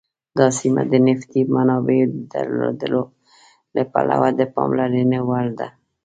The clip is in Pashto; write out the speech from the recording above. دا سیمه د نفتي منابعو درلودلو له پلوه د پاملرنې وړ ده.